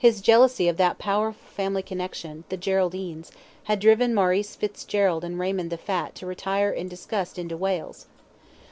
His jealousy of that powerful family connexion, the Geraldines, had driven Maurice Fitzgerald and Raymond the Fat to retire in disgust into Wales.